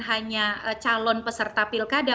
hanya calon peserta pilkada